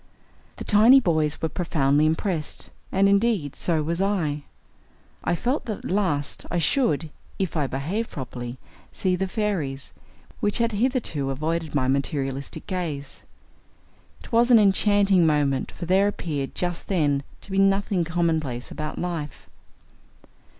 The tiny boys were profoundly impressed, and, indeed, so was I. I felt that at last, I should, if I behaved properly, see the fairies, which had hitherto avoided my materialistic gaze. It was an enchanting moment, for there appeared, just then, to be nothing commonplace about life.